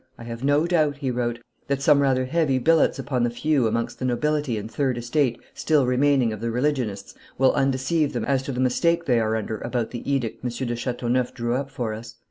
"I have no doubt," he wrote, "that some rather heavy billets upon the few amongst the nobility and third estate still remaining of the religionists will undeceive them as to the mistake they are under about the edict M. de Chateauneuf drew up for us.